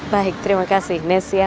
baik terima kasih